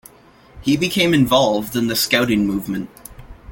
He became involved in the Scouting movement.